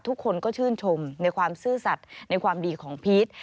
ทุกคนก็ชื่นชมในความซื่อสัตว์ในความดีของพีช